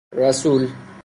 رسول